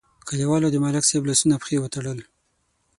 کلیوالو د ملک صاحب لاسونه او پښې وتړل.